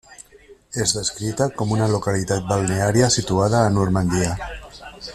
És descrita com una localitat balneària situada a Normandia.